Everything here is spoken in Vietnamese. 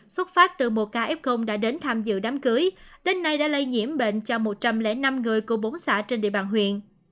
xuất phát từ một ca f đã đến tham dự đám cưới đến nay đã lây nhiễm bệnh cho một trăm linh năm người của bốn xã trên địa bàn huyện